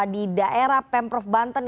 di daerah pemprov banten